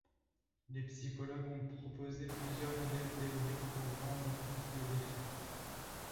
Les psychologues ont proposé plusieurs modèles théoriques pour rendre compte de l'effet.